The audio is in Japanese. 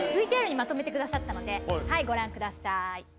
ＶＴＲにまとめてくださったのではいご覧ください。